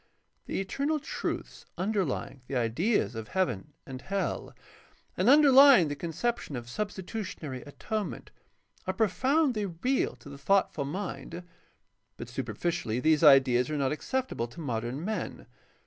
The eternal truths underlying the ideas of heaven and hell and underlying the conception of substitutionary atonement are profoundly real to the thoughtful mind, but superficially these ideas are not acceptable to modern men.